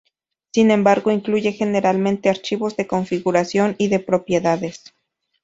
Sin embargo, incluye generalmente archivos de configuración y de propiedades.